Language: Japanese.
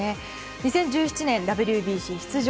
２０１７年、ＷＢＣ出場。